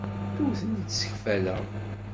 Ur ten-id-ssekfaleɣ.